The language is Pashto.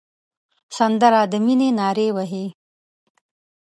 سندره د مینې نارې وهي